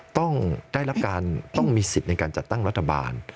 ต้องมีสิทธิ์ในการจัดตั้งรัฐบาล